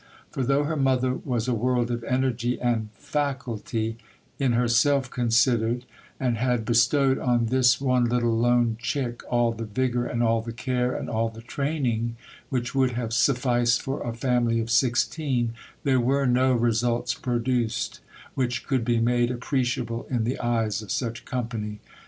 For though her mother was a world of energy and 'faculty,' in herself considered, and had bestowed on this one little lone chick all the vigour and all the care and all the training which would have sufficed for a family of sixteen, there were no results produced which could be made appreciable in the eyes of such company.